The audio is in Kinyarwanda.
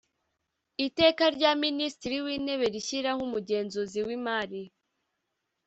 Iteka rya Minisitiri w Intebe rishyiraho umugenzuzi w imari